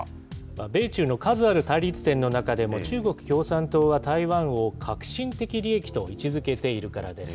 米中の数ある対立点の中でも中国共産党は、台湾を核心的利益と位置づけているからです。